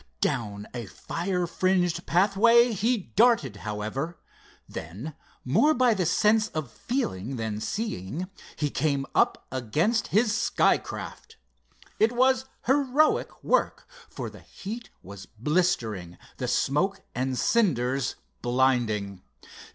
Down a fire fringed pathway he darted, however. Then, more by the sense of feeling than seeing, he came up against his sky craft. It was heroic work, for the heat was blistering, the smoke and cinders blinding.